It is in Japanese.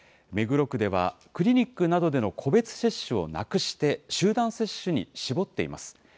目黒区では、クリニックなどでの個別接種をなくして、集団接種に絞っています。